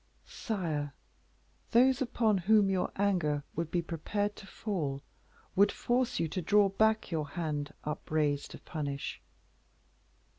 "Sire, those upon whom your anger would be prepared to fall, would force you to draw back your hand upraised to punish."